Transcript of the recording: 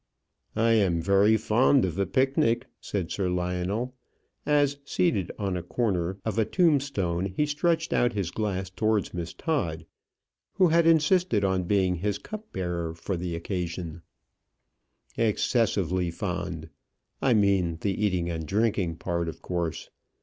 "I am very fond of a picnic," said Sir Lionel, as, seated on a corner of a tombstone, he stretched out his glass towards Miss Todd, who had insisted on being his cupbearer for the occasion; "excessively fond. I mean the eating and drinking part, of course.